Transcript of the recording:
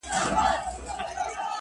خوشحال په دې دى چي دا ستا خاوند دی ـ